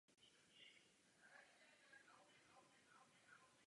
Jeho prvorozený syn Alexandr se také stal úspěšným v armádě.